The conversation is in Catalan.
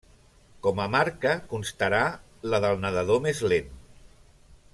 Com a marca constarà la del nedador més lent.